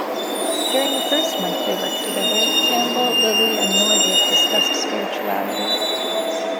During the first month they worked together, Campbell, Lilly, and Norwood discussed spirituality.